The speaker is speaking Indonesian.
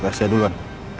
oke saya duluan